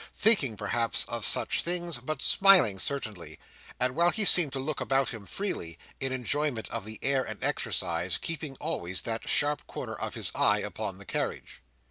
Thinking, perhaps, of such things: but smiling certainly, and while he seemed to look about him freely, in enjoyment of the air and exercise, keeping always that sharp corner of his eye upon the carriage.